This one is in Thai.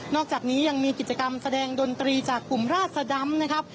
อกจากนี้ยังมีกิจกรรมแสดงดนตรีจากกลุ่มราชดำนะครับ